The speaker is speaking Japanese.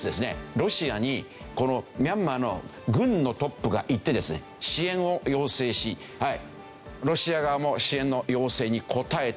ロシアにこのミャンマーの軍のトップが行ってですね支援を要請しロシア側も支援の要請に応えたという。